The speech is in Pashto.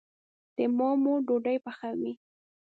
د ما مور ډوډي پخوي